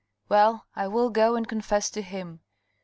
" Well, I will go and confess to him."